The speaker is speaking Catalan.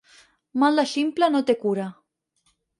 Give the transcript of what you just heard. Mal de ximple no té cura.